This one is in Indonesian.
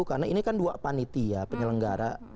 karena ini kan dua paniti ya penyelenggara